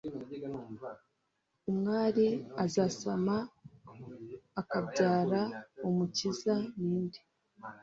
umwari uzasama akabyara umukiza ni nde